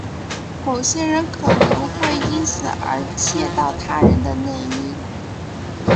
某些人可能会因此而窃盗他人的内衣。